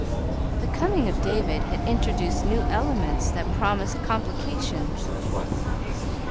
The coming of David had introduced new elements that promised complications.